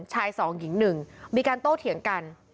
ชายสองหญิงหนึ่งมีการโต้เถียงกัน